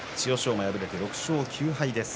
馬敗れて６勝９敗です。